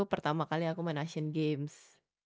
pertama kali aku main asian games